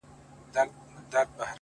بیا خرڅ کړئ شاه شجاع یم پر پردیو;